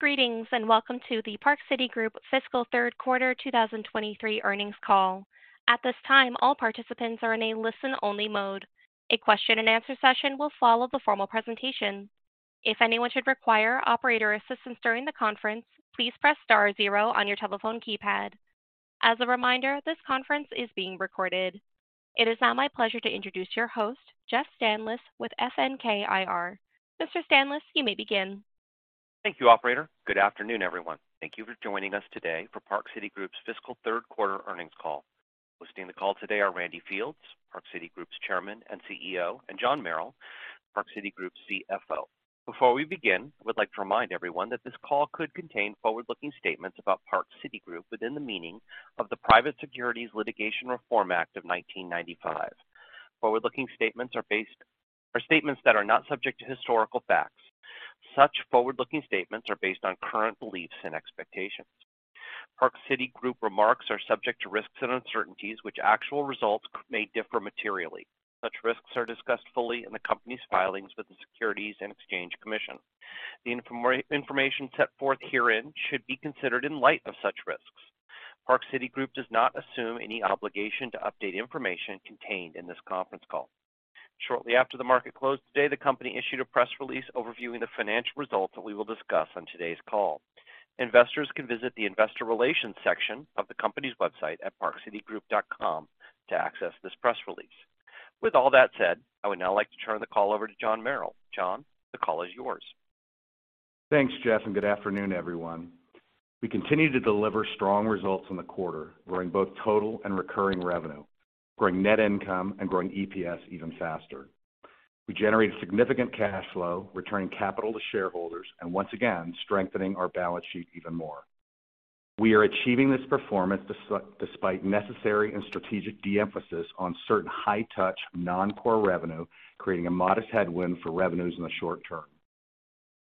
Greetings, and welcome to the Park City Group Fiscal Third Quarter 2023 Earnings Call. At this time, all participants are in a listen-only mode. A question and answer session will follow the formal presentation. If anyone should require operator assistance during the conference, please press star zero on your telephone keypad. As a reminder, this conference is being recorded. It is now my pleasure to introduce your host, Jeff Stanlis, with FNK IR. Mr. Stanlis, you may begin. Thank you, operator. Good afternoon, everyone. Thank you for joining us today for Park City Group's Fiscal Third Quarter Earnings Call. Hosting the call today are Randy Fields, Park City Group's chairman and CEO, and John Merrill, Park City Group's CFO. Before we begin, I would like to remind everyone that this call could contain forward-looking statements about Park City Group within the meaning of the Private Securities Litigation Reform Act of 1995. Forward-looking statements are statements that are not subject to historical facts. Such forward-looking statements are based on current beliefs and expectations. Park City Group remarks are subject to risks and uncertainties, which actual results may differ materially. Such risks are discussed fully in the company's filings with the Securities and Exchange Commission. The information set forth herein should be considered in light of such risks. Park City Group does not assume any obligation to update information contained in this conference call. Shortly after the market closed today, the company issued a press release overviewing the financial results that we will discuss on today's call. Investors can visit the investor relations section of the company's website at repositrak.com to access this press release. With all that said, I would now like to turn the call over to John Merrill. John, the call is yours. Thanks, Jeff, and good afternoon, everyone. We continue to deliver strong results in the quarter, growing both total and recurring revenue, growing net income and growing EPS even faster. We generated significant cash flow, returning capital to shareholders and once again, strengthening our balance sheet even more. We are achieving this performance despite necessary and strategic de-emphasis on certain high-touch, non-core revenue, creating a modest headwind for revenues in the short term.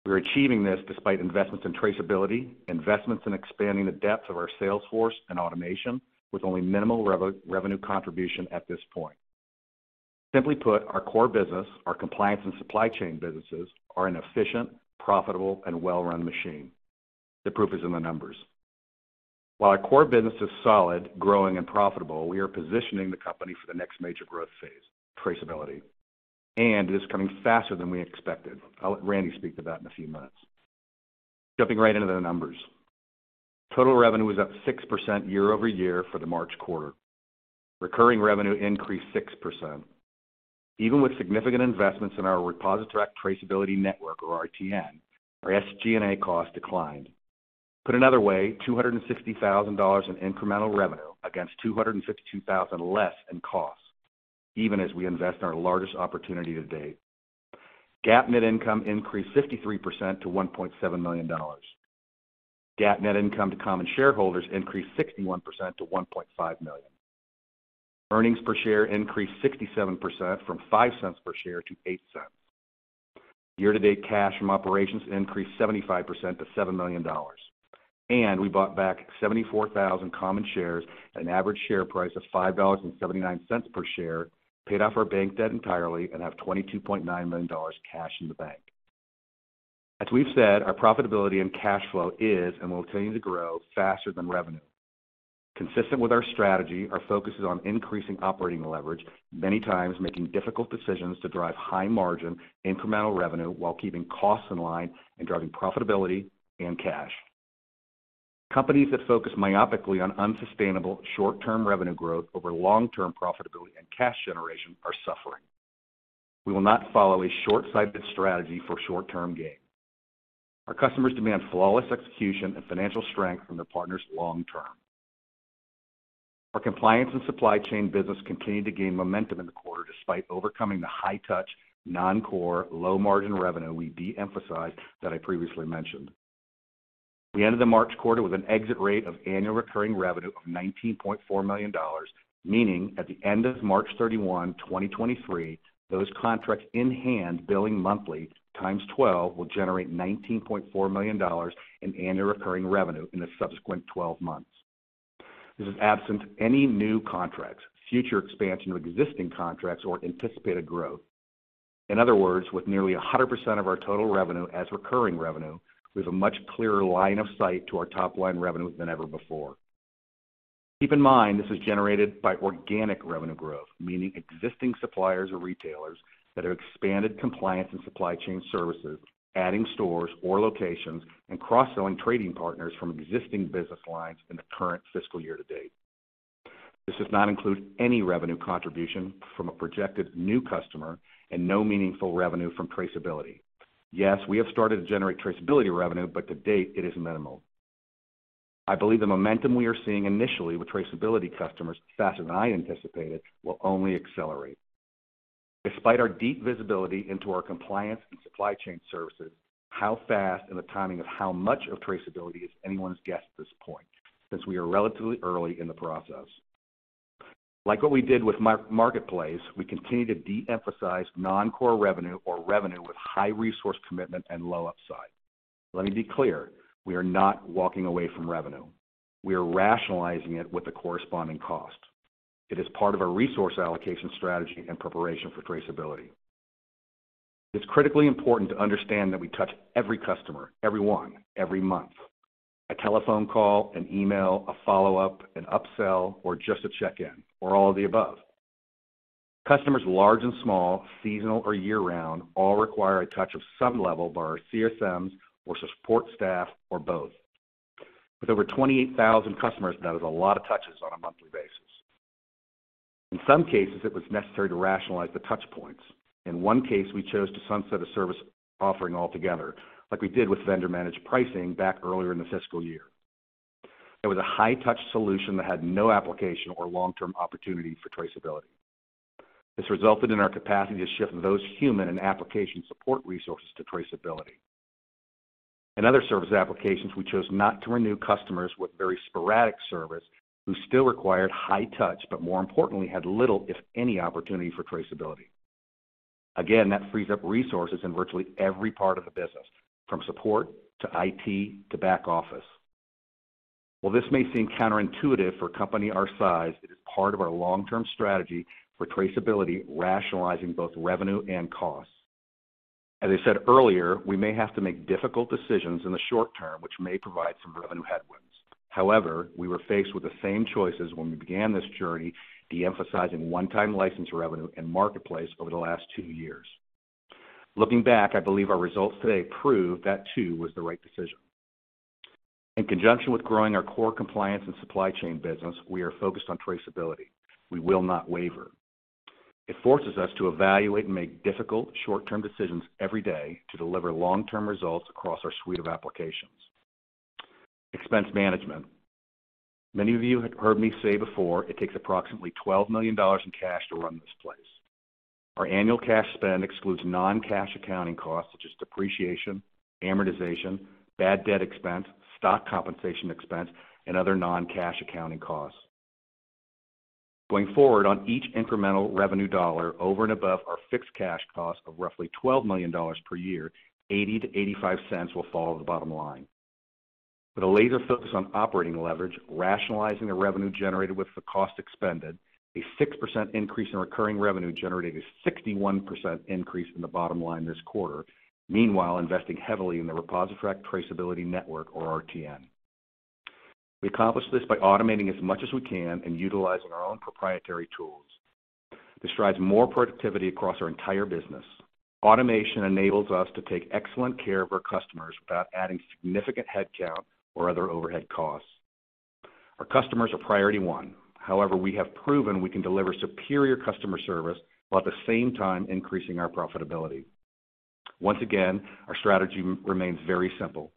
We're achieving this despite investments in traceability, investments in expanding the depth of our sales force and automation with only minimal revenue contribution at this point. Simply put, our core business, our compliance and supply chain businesses, are an efficient, profitable, and well-run machine. The proof is in the numbers. While our core business is solid, growing and profitable, we are positioning the company for the next major growth phase: traceability. It is coming faster than we expected. I'll let Randy speak to that in a few minutes. Jumping right into the numbers. Total revenue was up 6% year-over-year for the March quarter. Recurring revenue increased 6%. Even with significant investments in our ReposiTrak Traceability Network, or RTN, our SG&A costs declined. Put another way, $260,000 in incremental revenue against $252,000 less in costs, even as we invest in our largest opportunity to date. GAAP net income increased 53% to $1.7 million. GAAP net income to common shareholders increased 61% to $1.5 million. Earnings per share increased 67% from $0.05 per share to $0.08. Year-to-date cash from operations increased 75% to $7 million, and we bought back 74,000 common shares at an average share price of $5.79 per share, paid off our bank debt entirely, and have $22.9 million cash in the bank. As we've said, our profitability and cash flow is and will continue to grow faster than revenue. Consistent with our strategy, our focus is on increasing operating leverage, many times making difficult decisions to drive high margin incremental revenue while keeping costs in line and driving profitability and cash. Companies that focus myopically on unsustainable short-term revenue growth over long-term profitability and cash generation are suffering. We will not follow a short-sighted strategy for short-term gain. Our customers demand flawless execution and financial strength from their partners long term. Our compliance and supply chain business continued to gain momentum in the quarter, despite overcoming the high touch, non-core, low-margin revenue we de-emphasized that I previously mentioned. We ended the March quarter with an exit rate of annual recurring revenue of $19.4 million, meaning at the end of March 31, 2023, those contracts in hand, billing monthly times 12, will generate $19.4 million in annual recurring revenue in the subsequent twelve months. This is absent any new contracts, future expansion of existing contracts or anticipated growth. In other words, with nearly 100% of our total revenue as recurring revenue, we have a much clearer line of sight to our top line revenue than ever before. Keep in mind, this is generated by organic revenue growth, meaning existing suppliers or retailers that have expanded compliance and supply chain services, adding stores or locations, and cross-selling trading partners from existing business lines in the current fiscal year to date. This does not include any revenue contribution from a projected new customer and no meaningful revenue from traceability. Yes, we have started to generate traceability revenue, but to date, it is minimal. I believe the momentum we are seeing initially with traceability customers, faster than I anticipated, will only accelerate. Despite our deep visibility into our compliance and supply chain services, how fast and the timing of how much of traceability is anyone's guess at this point, since we are relatively early in the process. Like what we did with MarketPlace, we continue to de-emphasize non-core revenue or revenue with high resource commitment and low upside. Let me be clear, we are not walking away from revenue. We are rationalizing it with the corresponding cost. It is part of our resource allocation strategy and preparation for traceability. It's critically important to understand that we touch every customer, everyone, every month. A telephone call, an email, a follow-up, an upsell, or just a check-in, or all of the above. Customers, large and small, seasonal or year-round, all require a touch of some level by our CSMs or support staff, or both. With over 28,000 customers, that is a lot of touches on a monthly basis. In some cases, it was necessary to rationalize the touch points. In one case, we chose to sunset a service offering altogether, like we did with vendor-managed pricing back earlier in the fiscal year. It was a high-touch solution that had no application or long-term opportunity for traceability. This resulted in our capacity to shift those human and application support resources to traceability. In other service applications, we chose not to renew customers with very sporadic service, who still required high touch, but more importantly, had little, if any, opportunity for traceability. Again, that frees up resources in virtually every part of the business, from support to IT, to back office. While this may seem counterintuitive for a company our size, it is part of our long-term strategy for traceability, rationalizing both revenue and costs. As I said earlier, we may have to make difficult decisions in the short term, which may provide some revenue headwinds. However, we were faced with the same choices when we began this journey, de-emphasizing one-time license revenue and Marketplace over the last two years. Looking back, I believe our results today prove that, too, was the right decision. In conjunction with growing our core compliance and supply chain business, we are focused on traceability. We will not waver. It forces us to evaluate and make difficult short-term decisions every day to deliver long-term results across our suite of applications. Expense management. Many of you have heard me say before, it takes approximately $12 million in cash to run this place. Our annual cash spend excludes non-cash accounting costs such as depreciation, amortization, bad debt expense, stock compensation expense, and other non-cash accounting costs. Going forward, on each incremental revenue dollar over and above our fixed cash cost of roughly $12 million per year, $0.80-$0.85 will fall to the bottom line. With a laser focus on operating leverage, rationalizing the revenue generated with the cost expended, a 6% increase in recurring revenue generated a 61% increase in the bottom line this quarter, meanwhile investing heavily in the ReposiTrak Traceability Network, or RTN. We accomplished this by automating as much as we can and utilizing our own proprietary tools. This drives more productivity across our entire business. Automation enables us to take excellent care of our customers without adding significant headcount or other overhead costs. Our customers are priority one. However, we have proven we can deliver superior customer service, while at the same time increasing our profitability. Once again, our strategy remains very simple: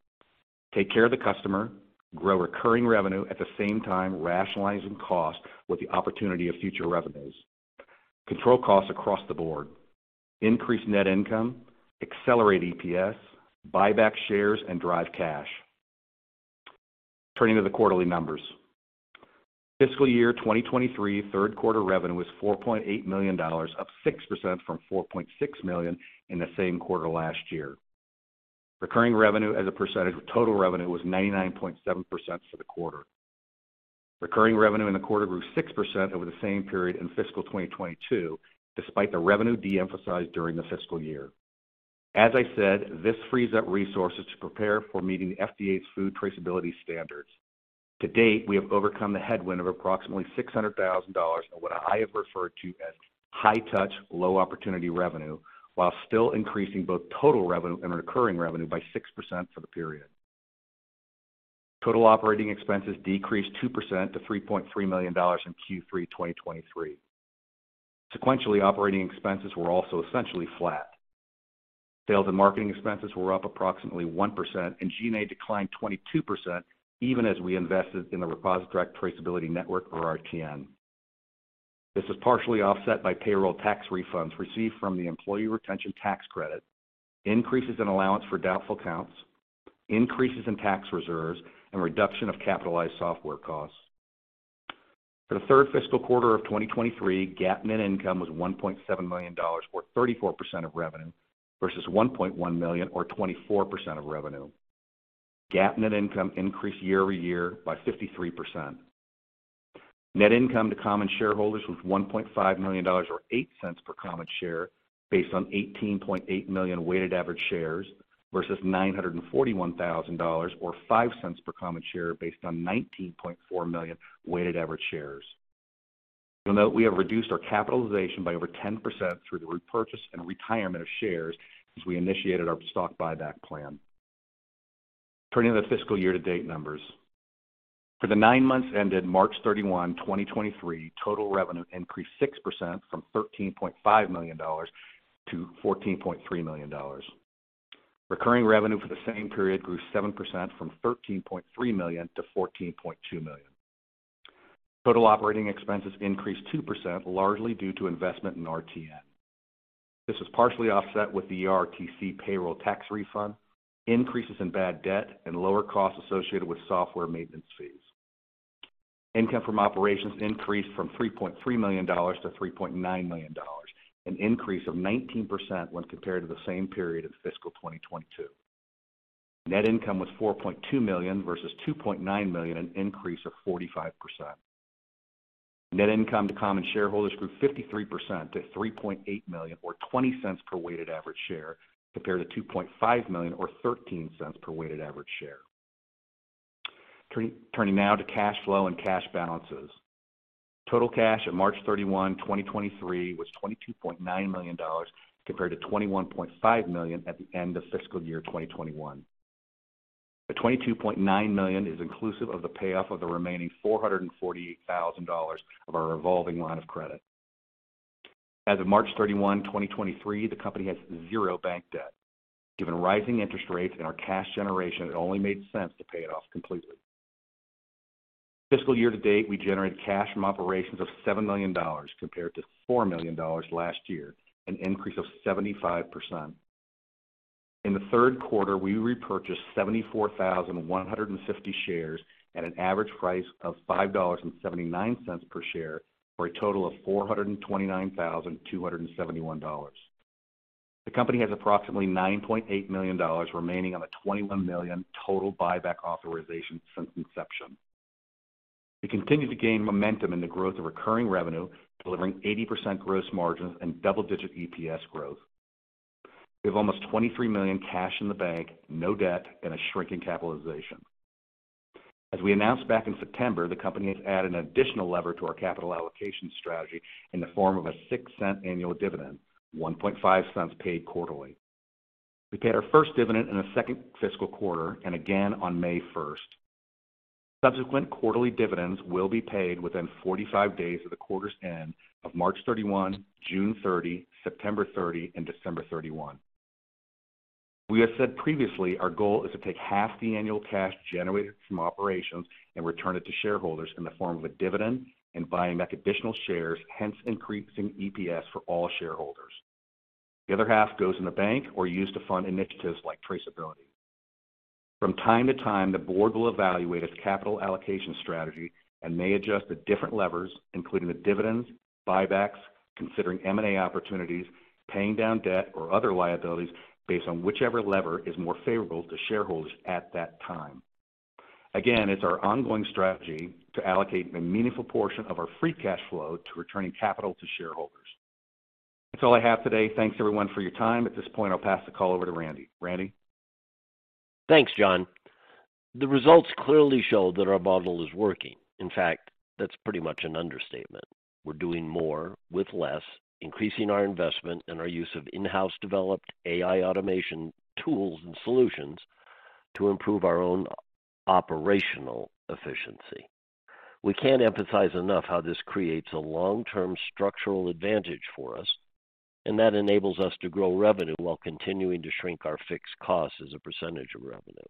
Take care of the customer, grow recurring revenue, at the same time, rationalizing costs with the opportunity of future revenues. Control costs across the board, increase net income, accelerate EPS, buy back shares, and drive cash. Turning to the quarterly numbers. Fiscal year 2023, third quarter revenue was $4.8 million, up 6% from $4.6 million in the same quarter last year. Recurring revenue as a percentage of total revenue was 99.7% for the quarter. Recurring revenue in the quarter grew 6% over the same period in fiscal 2022, despite the revenue de-emphasized during the fiscal year. As I said, this frees up resources to prepare for meeting the FDA's food traceability standards. To date, we have overcome the headwind of approximately $600,000 in what I have referred to as high touch, low opportunity revenue, while still increasing both total revenue and recurring revenue by 6% for the period. Total operating expenses decreased 2% to $3.3 million in Q3 2023. Sequentially, operating expenses were also essentially flat. Sales and marketing expenses were up approximately 1%, and G&A declined 22%, even as we invested in the ReposiTrak Traceability Network, or RTN. This was partially offset by payroll tax refunds received from the Employee Retention Tax Credit, increases in allowance for doubtful accounts. Increases in tax reserves, and reduction of capitalized software costs. For the third fiscal quarter of 2023, GAAP net income was $1.7 million, or 34% of revenue, versus $1.1 million, or 24% of revenue. GAAP net income increased year-over-year by 53%. Net income to common shareholders was $1.5 million, or $0.08 per common share, based on 18.8 million weighted average shares, versus $941,000, or $0.05 per common share, based on 19.4 million weighted average shares. You'll note we have reduced our capitalization by over 10% through the repurchase and retirement of shares as we initiated our stock buyback plan. Turning to the fiscal year-to-date numbers. For the nine months ended March 31, 2023, total revenue increased 6% from $13.5 million to $14.3 million. Recurring revenue for the same period grew 7% from $13.3 million to $14.2 million. Total operating expenses increased 2%, largely due to investment in RTN. This was partially offset with the ERTC payroll tax refund, increases in bad debt, and lower costs associated with software maintenance fees. Income from operations increased from $3.3 million to $3.9 million, an increase of 19% when compared to the same period of fiscal 2022. Net income was $4.2 million versus $2.9 million, an increase of 45%. Net income to common shareholders grew 53% to $3.8 million, or $0.20 per weighted average share, compared to $2.5 million or $0.13 per weighted average share. Turning now to cash flow and cash balances. Total cash at March 31, 2023, was $22.9 million, compared to $21.5 million at the end of fiscal year 2021. The $22.9 million is inclusive of the payoff of the remaining $448,000 of our revolving line of credit. As of March 31, 2023, the company has 0 bank debt. Given rising interest rates and our cash generation, it only made sense to pay it off completely. Fiscal year to date, we generated cash from operations of $7 million, compared to $4 million last year, an increase of 75%. In the third quarter, we repurchased 74,150 shares at an average price of $5.79 per share, for a total of $429,271. The company has approximately $9.8 million remaining on the $21 million total buyback authorization since inception. We continue to gain momentum in the growth of recurring revenue, delivering 80% gross margins and double-digit EPS growth. We have almost $23 million cash in the bank, no debt, and a shrinking capitalization. As we announced back in September, the company has added an additional lever to our capital allocation strategy in the form of a $0.06 annual dividend, $0.015 paid quarterly. We paid our first dividend in the second fiscal quarter and again on May 1st. Subsequent quarterly dividends will be paid within 45 days of the quarter's end of March 31, June 30, September 30, and December 31. We have said previously, our goal is to take half the annual cash generated from operations and return it to shareholders in the form of a dividend and buying back additional shares, hence increasing EPS for all shareholders. The other half goes in the bank or used to fund initiatives like traceability. From time to time, the board will evaluate its capital allocation strategy and may adjust the different levers, including the dividends, buybacks, considering M&A opportunities, paying down debt or other liabilities, based on whichever lever is more favorable to shareholders at that time. Again, it's our ongoing strategy to allocate a meaningful portion of our free cash flow to returning capital to shareholders. That's all I have today. Thanks, everyone, for your time. At this point, I'll pass the call over to Randy. Randy? Thanks, John. The results clearly show that our model is working. In fact, that's pretty much an understatement. We're doing more with less, increasing our investment and our use of in-house developed AI automation tools and solutions to improve our own operational efficiency. We can't emphasize enough how this creates a long-term structural advantage for us, and that enables us to grow revenue while continuing to shrink our fixed costs as a percentage of revenue.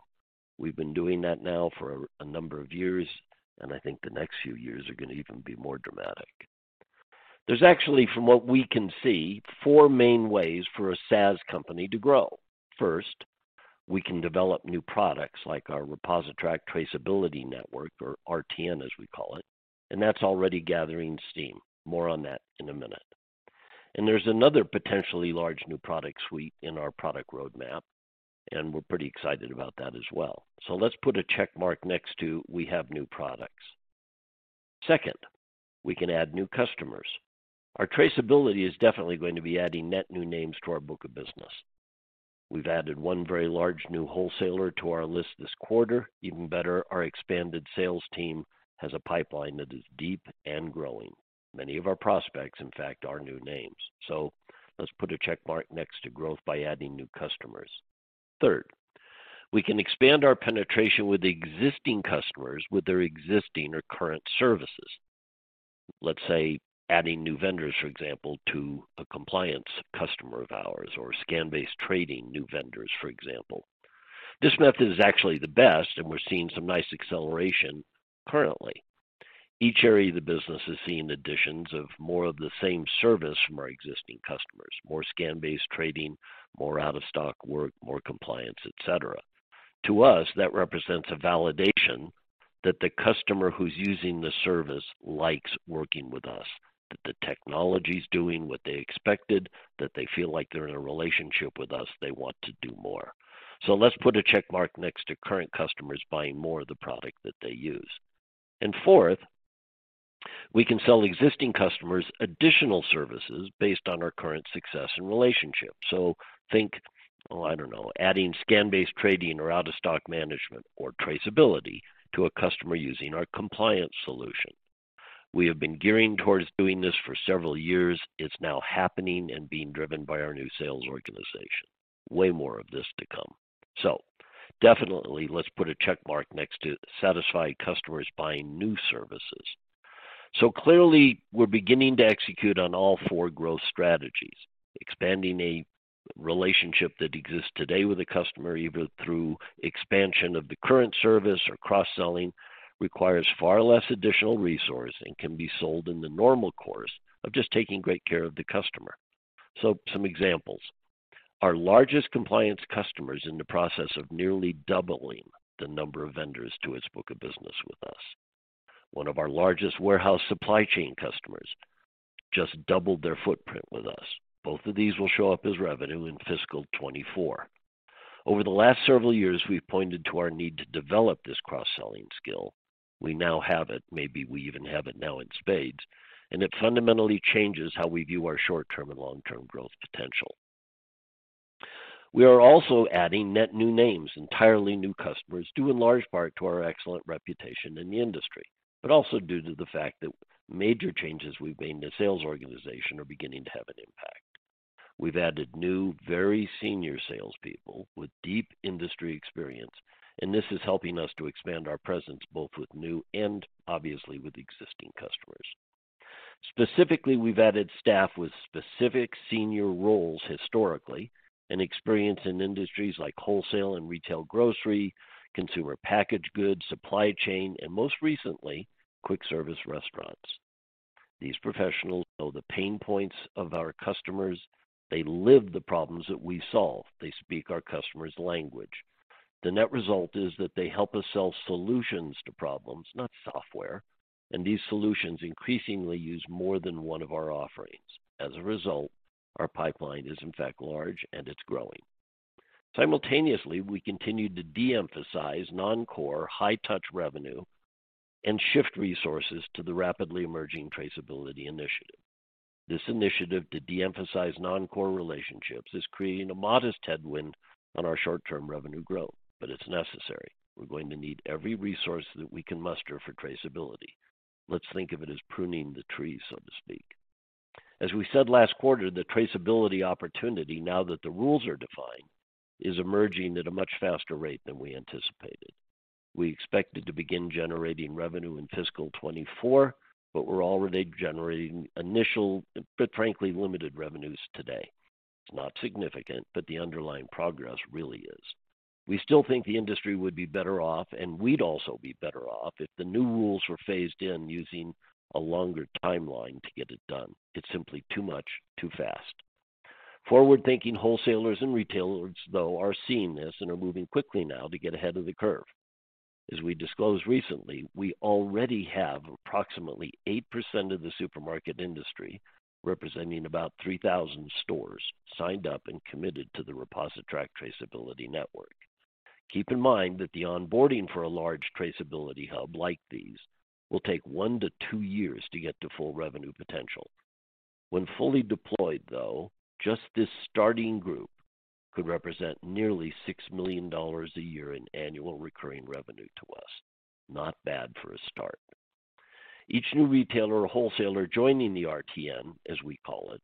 We've been doing that now for a number of years, and I think the next few years are going to even be more dramatic. There's actually, from what we can see, four main ways for a SaaS company to grow. First, we can develop new products like our ReposiTrak Traceability Network, or RTN, as we call it, and that's already gathering steam. More on that in a minute. There's another potentially large new product suite in our product roadmap, and we're pretty excited about that as well. So let's put a check mark next to, "We have new products." Second, we can add new customers. Our traceability is definitely going to be adding net new names to our book of business. We've added one very large new wholesaler to our list this quarter. Even better, our expanded sales team has a pipeline that is deep and growing. Many of our prospects, in fact, are new names. So let's put a check mark next to growth by adding new customers. Third, we can expand our penetration with the existing customers, with their existing or current services. Let's say adding new vendors, for example, to a compliance customer of ours or Scan-Based Trading new vendors, for example. This method is actually the best, and we're seeing some nice acceleration currently. Each area of the business has seen additions of more of the same service from our existing customers, more scan-based trading, more out-of-stock work, more compliance, et cetera. To us, that represents a validation that the customer who's using the service likes working with us, that the technology's doing what they expected, that they feel like they're in a relationship with us, they want to do more. So let's put a check mark next to current customers buying more of the product that they use. And fourth, we can sell existing customers additional services based on our current success and relationship. So think, oh, I don't know, adding scan-based trading or out-of-stock management or traceability to a customer using our compliance solution. We have been gearing towards doing this for several years. It's now happening and being driven by our new sales organization. Way more of this to come. So definitely let's put a check mark next to satisfied customers buying new services. So clearly, we're beginning to execute on all four growth strategies. Expanding a relationship that exists today with a customer, either through expansion of the current service or cross-selling, requires far less additional resource and can be sold in the normal course of just taking great care of the customer. So some examples. Our largest compliance customer is in the process of nearly doubling the number of vendors to its book of business with us. One of our largest warehouse supply chain customers just doubled their footprint with us. Both of these will show up as revenue in fiscal 2024. Over the last several years, we've pointed to our need to develop this cross-selling skill. We now have it. Maybe we even have it now in spades, and it fundamentally changes how we view our short-term and long-term growth potential. We are also adding net new names, entirely new customers, due in large part to our excellent reputation in the industry, but also due to the fact that major changes we've made in the sales organization are beginning to have an impact. We've added new, very senior salespeople with deep industry experience, and this is helping us to expand our presence, both with new and obviously with existing customers. Specifically, we've added staff with specific senior roles historically, and experience in industries like wholesale and retail grocery, consumer packaged goods, supply chain, and most recently, quick service restaurants. These professionals know the pain points of our customers. They live the problems that we solve. They speak our customer's language. The net result is that they help us sell solutions to problems, not software, and these solutions increasingly use more than one of our offerings. As a result, our pipeline is in fact large, and it's growing. Simultaneously, we continued to de-emphasize non-core, high-touch revenue and shift resources to the rapidly emerging traceability initiative. This initiative to de-emphasize non-core relationships is creating a modest headwind on our short-term revenue growth, but it's necessary. We're going to need every resource that we can muster for traceability. Let's think of it as pruning the tree, so to speak. As we said last quarter, the traceability opportunity, now that the rules are defined, is emerging at a much faster rate than we anticipated. We expected to begin generating revenue in fiscal 2024, but we're already generating initial, but frankly, limited revenues today. It's not significant, but the underlying progress really is. We still think the industry would be better off, and we'd also be better off, if the new rules were phased in using a longer timeline to get it done. It's simply too much, too fast. Forward-thinking wholesalers and retailers, though, are seeing this and are moving quickly now to get ahead of the curve. As we disclosed recently, we already have approximately 8% of the supermarket industry, representing about 3,000 stores, signed up and committed to the ReposiTrak Traceability Network. Keep in mind that the onboarding for a large traceability hub like these will take one to two years to get to full revenue potential. When fully deployed, though, just this starting group could represent nearly $6 million a year in annual recurring revenue to us. Not bad for a start. Each new retailer or wholesaler joining the RTN, as we call it,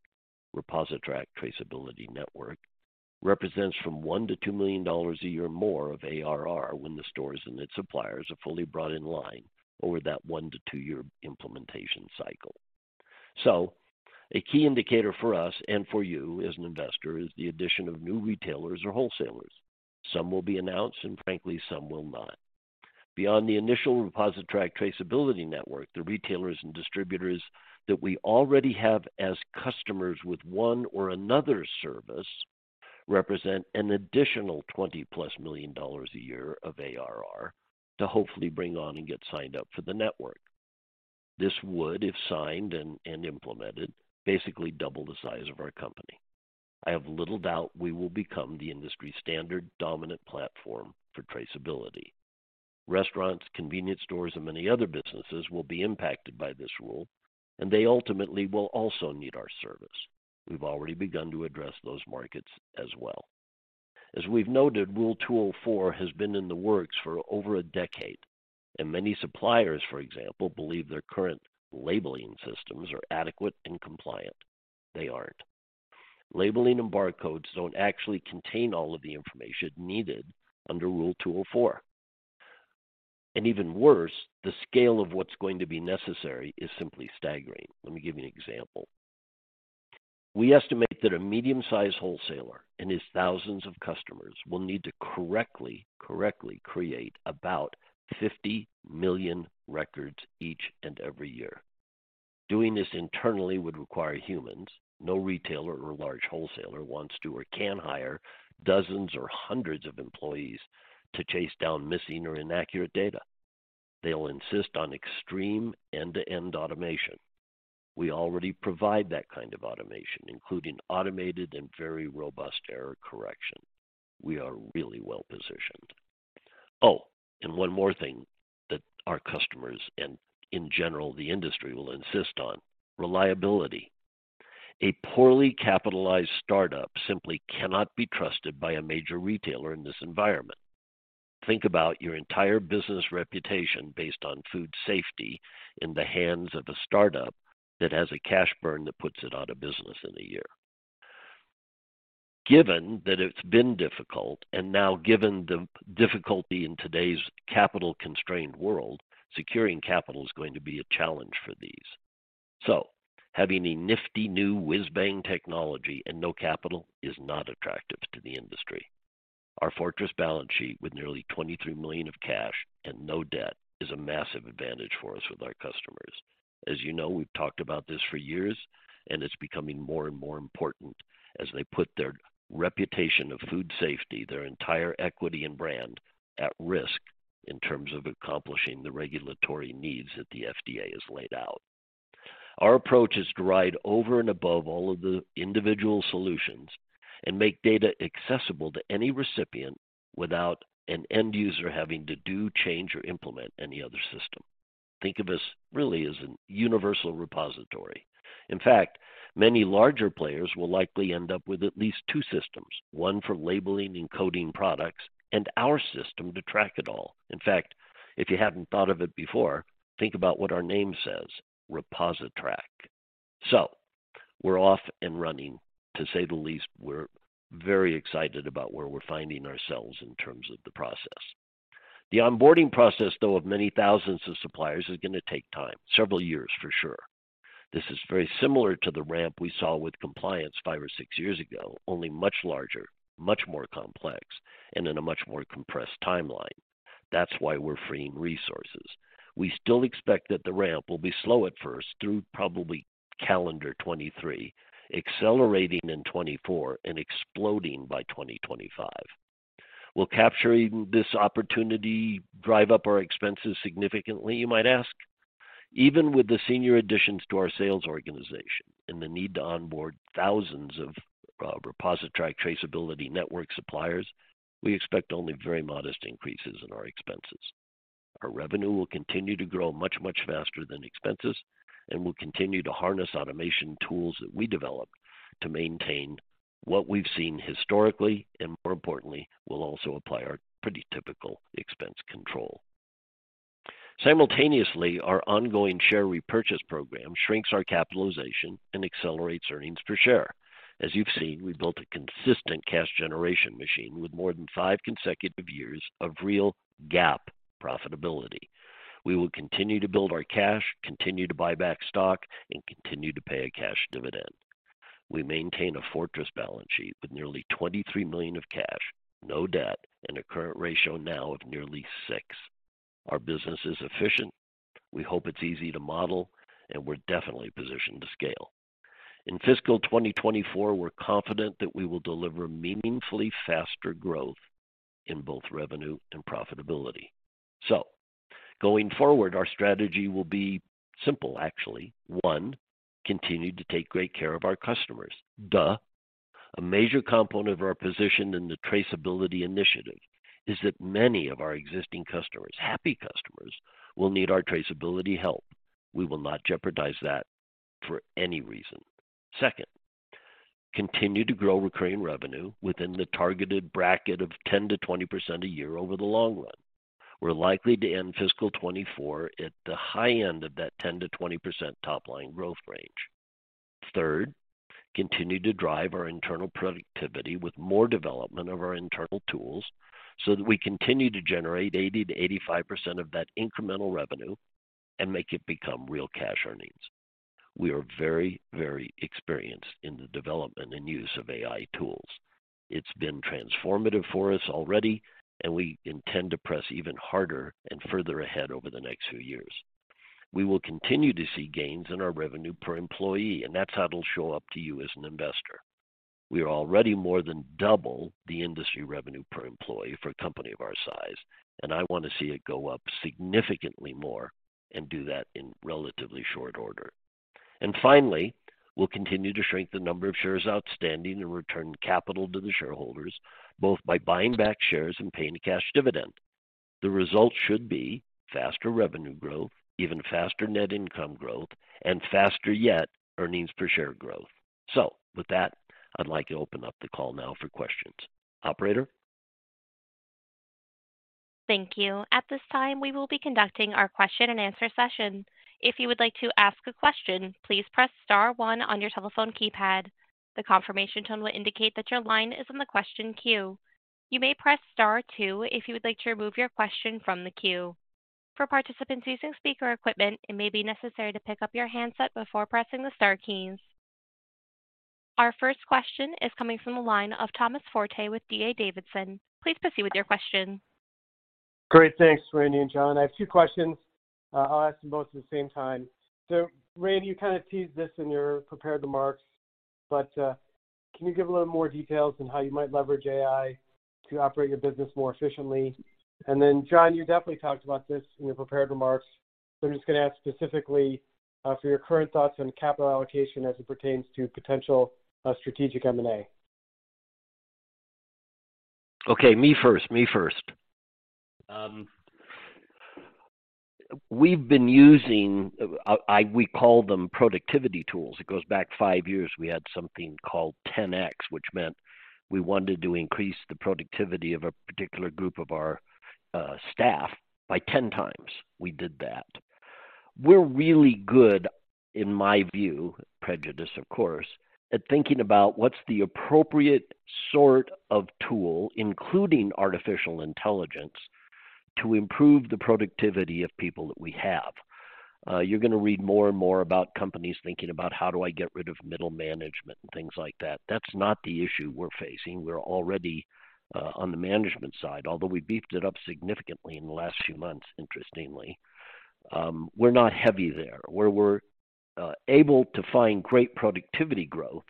ReposiTrak Traceability Network, represents from $1-$2 million a year more of ARR when the stores and its suppliers are fully brought in line over that oe to two-year implementation cycle. So a key indicator for us and for you as an investor, is the addition of new retailers or wholesalers. Some will be announced, and frankly, some will not. Beyond the initial ReposiTrak Traceability Network, the retailers and distributors that we already have as customers with one or another service, represent an additional $20+ million a year of ARR to hopefully bring on and get signed up for the network. This would, if signed and, and implemented, basically double the size of our company. I have little doubt we will become the industry standard dominant platform for traceability. Restaurants, convenience stores, and many other businesses will be impacted by this rule, and they ultimately will also need our service. We've already begun to address those markets as well. As we've noted, Rule 204 has been in the works for over a decade, and many suppliers, for example, believe their current labeling systems are adequate and compliant. They aren't. Labeling and barcodes don't actually contain all of the information needed under Rule 204. And even worse, the scale of what's going to be necessary is simply staggering. Let me give you an example. We estimate that a medium-sized wholesaler and his thousands of customers will need to correctly create about 50 million records each and every year. Doing this internally would require humans. No retailer or large wholesaler wants to or can hire dozens or hundreds of employees to chase down missing or inaccurate data. They'll insist on extreme end-to-end automation. We already provide that kind of automation, including automated and very robust error correction. We are really well-positioned. Oh, and one more thing that our customers and in general, the industry will insist on: reliability. A poorly capitalized startup simply cannot be trusted by a major retailer in this environment. Think about your entire business reputation based on food safety in the hands of a startup that has a cash burn that puts it out of business in a year. Given that it's been difficult and now given the difficulty in today's capital-constrained world, securing capital is going to be a challenge for these. So having a nifty new whiz-bang technology and no capital is not attractive to the industry. Our fortress balance sheet, with nearly $23 million of cash and no debt, is a massive advantage for us with our customers. As you know, we've talked about this for years, and it's becoming more and more important as they put their reputation of food safety, their entire equity and brand, at risk in terms of accomplishing the regulatory needs that the FDA has laid out. Our approach is to ride over and above all of the individual solutions and make data accessible to any recipient without an end user having to do, change, or implement any other system. Think of us really as a universal repository. In fact, many larger players will likely end up with at least two systems, one for labeling and coding products, and our system to track it all. In fact, if you hadn't thought of it before, think about what our name says, ReposiTrak. So we're off and running. To say the least, we're very excited about where we're finding ourselves in terms of the process. The onboarding process, though, of many thousands of suppliers, is going to take time, several years for sure. This is very similar to the ramp we saw with compliance five or six years ago, only much larger, much more complex, and in a much more compressed timeline. That's why we're freeing resources. We still expect that the ramp will be slow at first, through probably calendar 2023, accelerating in 2024, and exploding by 2025. Will capturing this opportunity drive up our expenses significantly, you might ask? Even with the senior additions to our sales organization and the need to onboard thousands of ReposiTrak Traceability Network suppliers, we expect only very modest increases in our expenses. Our revenue will continue to grow much, much faster than expenses, and we'll continue to harness automation tools that we develop to maintain what we've seen historically, and more importantly, we'll also apply our pretty typical expense control. Simultaneously, our ongoing share repurchase program shrinks our capitalization and accelerates earnings per share. As you've seen, we've built a consistent cash generation machine with more than 5 consecutive years of real GAAP profitability. We will continue to build our cash, continue to buy back stock, and continue to pay a cash dividend. We maintain a fortress balance sheet with nearly $23 million of cash, no debt, and a current ratio now of nearly six. Our business is efficient. We hope it's easy to model, and we're definitely positioned to scale. In fiscal 2024, we're confident that we will deliver meaningfully faster growth in both revenue and profitability. So going forward, our strategy will be simple, actually. One, continue to take great care of our customers. Though, a major component of our position in the traceability initiative is that many of our existing customers, happy customers, will need our traceability help. We will not jeopardize that for any reason. Second, continue to grow recurring revenue within the targeted bracket of 10%-20% a year over the long run. We're likely to end fiscal 2024 at the high end of that 10%-20% top-line growth range. Third, continue to drive our internal productivity with more development of our internal tools, so that we continue to generate 80%-85% of that incremental revenue and make it become real cash earnings. We are very, very experienced in the development and use of AI tools. It's been transformative for us already, and we intend to press even harder and further ahead over the next few years. We will continue to see gains in our revenue per employee, and that's how it'll show up to you as an investor. We are already more than double the industry revenue per employee for a company of our size, and I want to see it go up significantly more and do that in relatively short order. And finally, we'll continue to shrink the number of shares outstanding and return capital to the shareholders, both by buying back shares and paying a cash dividend. The result should be faster revenue growth, even faster net income growth, and faster yet, earnings per share growth. So with that, I'd like to open up the call now for questions. Operator? Thank you. At this time, we will be conducting our question-and-answer session. If you would like to ask a question, please press star one on your telephone keypad. The confirmation tone will indicate that your line is in the question queue. You may press star two if you would like to remove your question from the queue. For participants using speaker equipment, it may be necessary to pick up your handset before pressing the star keys. Our first question is coming from the line of Thomas Forte with D.A. Davidson. Please proceed with your question. Great. Thanks, Randy and John. I have two questions. I'll ask them both at the same time. So Randy, you kind of teased this in your prepared remarks, but, can you give a little more details on how you might leverage AI to operate your business more efficiently? And then, John, you definitely talked about this in your prepared remarks, so I'm just going to ask specifically, for your current thoughts on capital allocation as it pertains to potential, strategic M&A. Okay, me first, me first. We've been using, we call them productivity tools. It goes back five years. We had something called 10X, which meant we wanted to increase the productivity of a particular group of our, staff by ten times. We did that. We're really good, in my view, prejudice, of course, at thinking about what's the appropriate sort of tool, including artificial intelligence, to improve the productivity of people that we have. You're going to read more and more about companies thinking about, how do I get rid of middle management and things like that. That's not the issue we're facing. We're already, on the management side, although we beefed it up significantly in the last few months, interestingly. We're not heavy there. Where we're able to find great productivity growth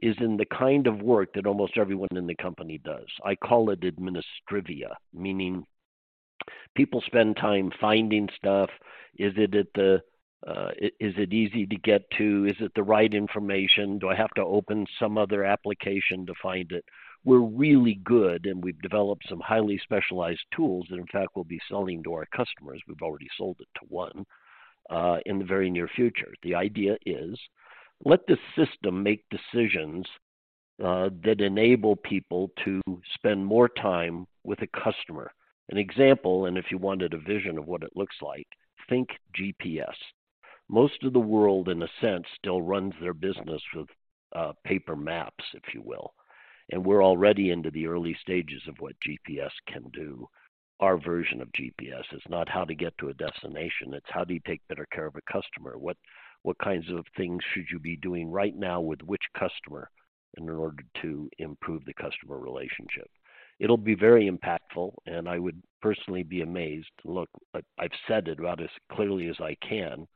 is in the kind of work that almost everyone in the company does. I call it Administrivia, meaning-... People spend time finding stuff. Is it at the, is it easy to get to? Is it the right information? Do I have to open some other application to find it? We're really good, and we've developed some highly specialized tools that, in fact, we'll be selling to our customers. We've already sold it to one, in the very near future. The idea is, let the system make decisions that enable people to spend more time with the customer. An example, and if you wanted a vision of what it looks like, think GPS. Most of the world, in a sense, still runs their business with paper maps, if you will, and we're already into the early stages of what GPS can do. Our version of GPS is not how to get to a destination; it's how do you take better care of a customer? What kinds of things should you be doing right now with which customer in order to improve the customer relationship? It'll be very impactful, and I would personally be amazed. Look, I, I've said it about as clearly as I can.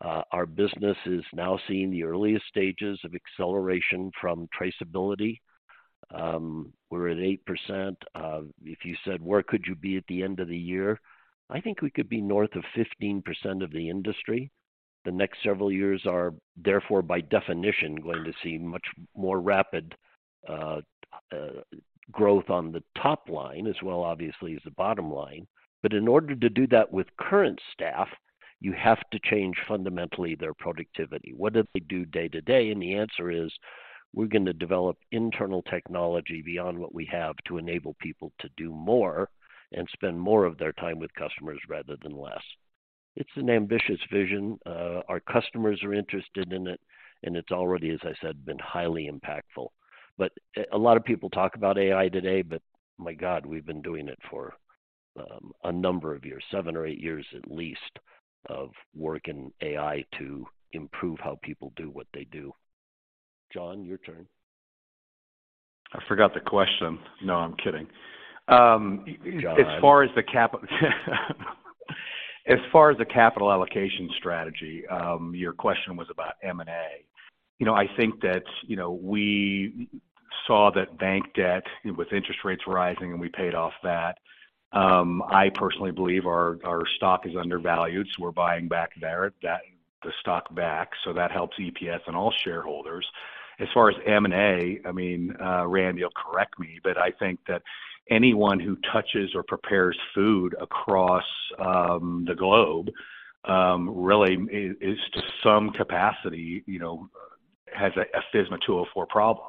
Our business is now seeing the earliest stages of acceleration from traceability. We're at 8%. If you said, where could you be at the end of the year? I think we could be north of 15% of the industry. The next several years are therefore, by definition, going to see much more rapid growth on the top line as well, obviously, as the bottom line. But in order to do that with current staff, you have to change fundamentally their productivity. What do they do day-to-day? And the answer is, we're gonna develop internal technology beyond what we have to enable people to do more and spend more of their time with customers rather than less. It's an ambitious vision. Our customers are interested in it, and it's already, as I said, been highly impactful. But a lot of people talk about AI today, but my God, we've been doing it for a number of years, seven or eight years at least, of work in AI to improve how people do what they do. John, your turn. I forgot the question. No, I'm kidding. John. As far as the capital allocation strategy, your question was about M&A. You know, I think that, you know, we saw that bank debt, with interest rates rising, and we paid off that. I personally believe our stock is undervalued, so we're buying back the stock back, so that helps EPS and all shareholders. As far as M&A, I mean, Randy will correct me, but I think that anyone who touches or prepares food across the globe, really, is to some capacity, you know, has a FSMA 204 problem.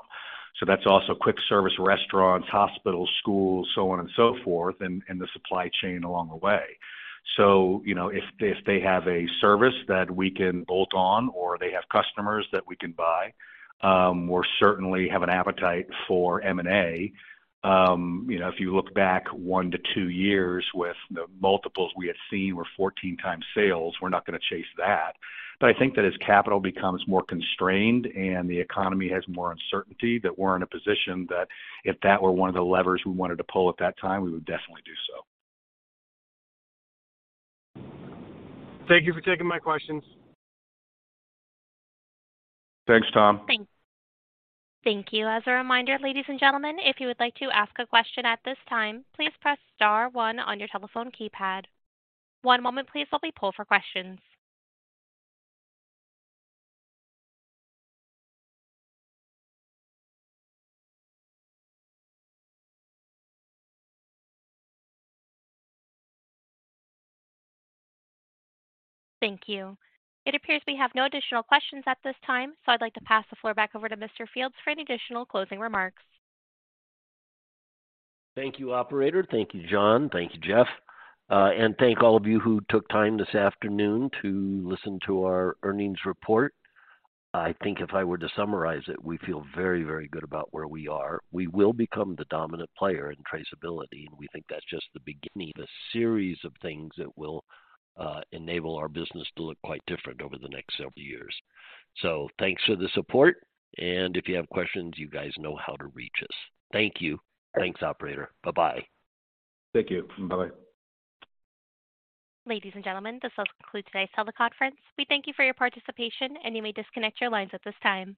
So that's also quick service restaurants, hospitals, schools, so on and so forth, and the supply chain along the way. So, you know, if they have a service that we can bolt on or they have customers that we can buy, we're certainly have an appetite for M&A. You know, if you look back one to two years with the multiples we had seen were 14x sales, we're not gonna chase that. But I think that as capital becomes more constrained and the economy has more uncertainty, that we're in a position that if that were one of the levers we wanted to pull at that time, we would definitely do so. Thank you for taking my questions. Thanks, Tom. Thank you. As a reminder, ladies and gentlemen, if you would like to ask a question at this time, please press star one on your telephone keypad. One moment, please, while we poll for questions. Thank you. It appears we have no additional questions at this time, so I'd like to pass the floor back over to Mr. Fields for any additional closing remarks. Thank you, operator. Thank you, John. Thank you, Jeff. And thank all of you who took time this afternoon to listen to our earnings report. I think if I were to summarize it, we feel very, very good about where we are. We will become the dominant player in traceability, and we think that's just the beginning of a series of things that will enable our business to look quite different over the next several years. So thanks for the support, and if you have questions, you guys know how to reach us. Thank you. Thanks, operator. Bye-bye. Thank you. Bye-bye. Ladies and gentlemen, this will conclude today's teleconference. We thank you for your participation, and you may disconnect your lines at this time.